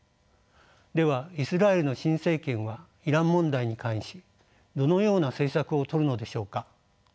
ではイスラエルの新政権はイラン問題に関しどのような政策をとるのでしょうか。